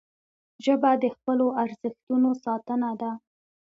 ژبه د خپلو ارزښتونو ساتنه ده